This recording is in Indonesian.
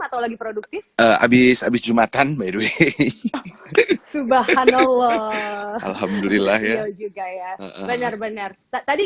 atau lagi produktif habis habis jumatan by the way subhanallah alhamdulillah ya benar benar tadi